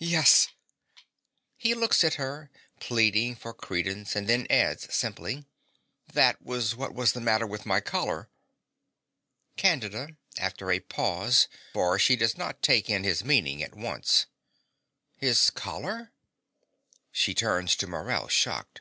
Yes. (He looks at her, pleading for credence, and then adds, simply) That was what was the matter with my collar. CANDIDA (after a pause; for she does not take in his meaning at once). His collar! (She turns to Morell, shocked.)